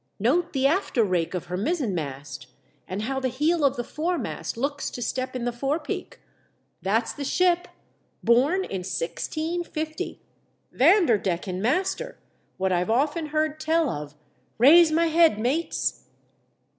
Note the after rake of her mizzen mast, and how the heel of the foremast looks to step in the forepeak. That's the ship — born in 1650 — Vanderdecken master — what I've often heard tell of — raise my head, mates